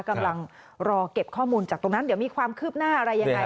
กำลังรอเก็บข้อมูลจากตรงนั้นเดี๋ยวมีความคืบหน้าอะไรยังไง